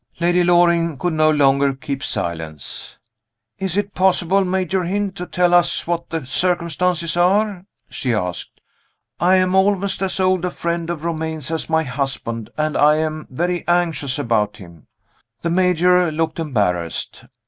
Lady Loring could no longer keep silence. "Is it possible, Major Hynd, to tell us what the circumstances are?" she asked. "I am almost as old a friend of Romayne as my husband and I am very anxious about him." The Major looked embarrassed.